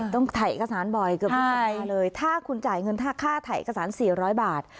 ต้องถ่ายเอกสารบ่อยเกือบใช่ถ้าคุณจ่ายเงินท่าค่าถ่ายเอกสารสี่ร้อยบาท